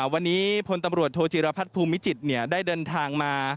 วันนี้พลตำรวจโทจิรพัฒน์ภูมิจิตได้เดินทางมา